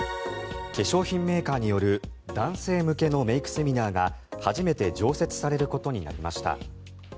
化粧品メーカーによる男性向けのメイクセミナーが初めて常設されることになりました。